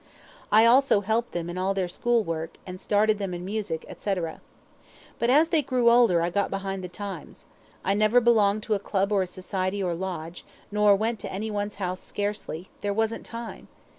I also helped them all in their school work, and started them in music, etc. But as they grew older I got behind the times. I never belonged to a club or a society or lodge, nor went to any one's house scarcely; there wasn't time.